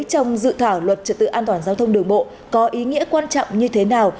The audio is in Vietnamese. trong dự thảo luật trật tự an toàn giao thông đường bộ có ý nghĩa quan trọng như thế nào